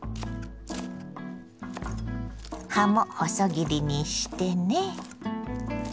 葉も細切りにしてね。